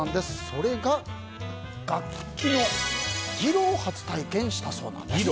それが、楽器のギロを初体験したそうなんです。